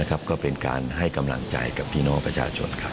ก็เป็นการให้กำลังใจกับพี่น้องประชาชน